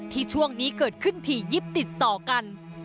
ช่วงนี้เกิดขึ้นถี่ยิบติดต่อกัน